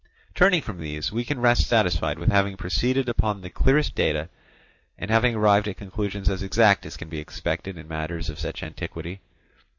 Turning from these, we can rest satisfied with having proceeded upon the clearest data, and having arrived at conclusions as exact as can be expected in matters of such antiquity.